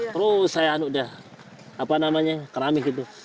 terus saya anu dia apa namanya keramik gitu